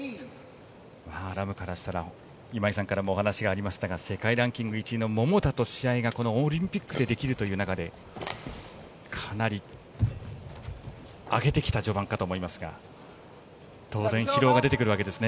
ラムからしたら今井さんからもお話がありましたが世界ランキング１位の桃田との試合が、オリンピックでできるという中でかなり上げてきた序盤かと思いますが当然、疲労が出てくるわけですね。